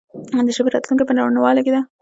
د ژبې راتلونکې په روڼوالي کې ده.